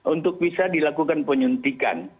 untuk bisa dilakukan penyuntikan